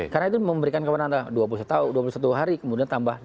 karena itu memberikan ke mana mana dua puluh satu hari kemudian tambah